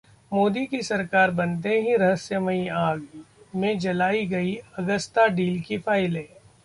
मोदी की सरकार बनते ही 'रहस्यमई आग' में जलाई गईं अगस्ता डील की फाइलें!